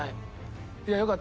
よかった。